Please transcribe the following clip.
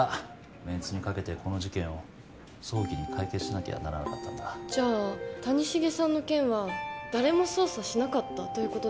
メンツにかけてこの事件を早期に解決しなきゃならなかったじゃあ谷繁さんの件は誰も捜査しなかったということ？